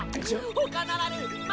ほかならぬ巻